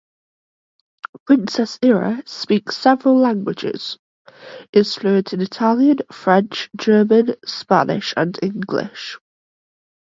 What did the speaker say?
Princess Ira speaks several languages, is fluent in Italian, French, German, Spanish and English.